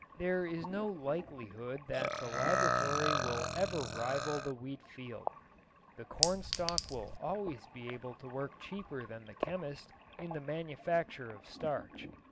There is no likelihood that the laboratory will ever rival the wheat field. The cornstalk will always be able to work cheaper than the chemist in the manufacture of starch.